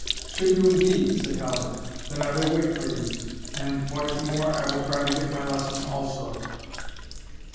"Should you indeed?" said Halbert; "then I will wait for you and, what is more, I will try to get my lesson also."